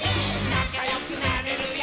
「なかよくなれるよ」